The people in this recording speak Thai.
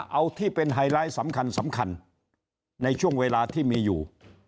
เอาที่เป็นไฮไลท์สำคัญในช่วงเวลาที่มีอยู่